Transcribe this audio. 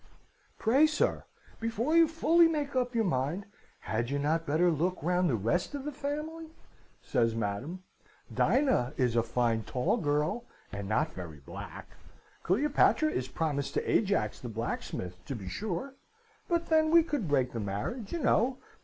"'Pray, sir, before you fully make up your mind, had you not better look round the rest of my family?' says Madam. 'Dinah is a fine tall girl, and not very black; Cleopatra is promised to Ajax the blacksmith, to be sure; but then we could break the marriage, you know.